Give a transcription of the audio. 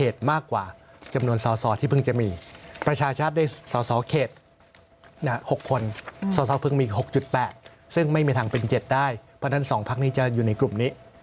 สอสอเพิ่งมี๖๘ซึ่งไม่มีทางเป็น๗ได้เพราะฉะนั้น๒ภาคนี้จะอยู่ในกลุ่มนี้